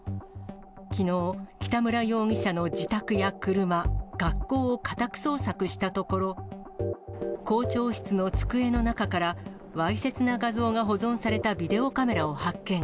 きのう、北村容疑者の自宅や車、学校を家宅捜索したところ、校長室の机の中からわいせつな画像が保存されたビデオカメラを発見。